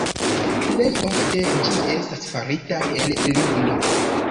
Plej ofte ĝi estas farita el ligno.